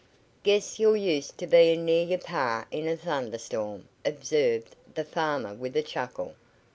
"Guess you're used t' bein' near yer pa in a thunderstorm," observed the farmer with a chuckle.